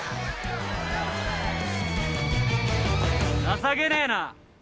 情けねえな。